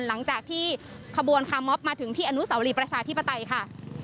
หลังจากที่ขบวนคามอฟมาถึงที่อนุสาวรีประชาธิปไตยค่ะ